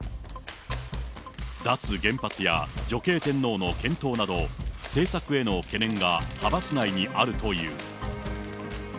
脱原発や女系天皇の検討など、政策への懸念が派閥内にあるという。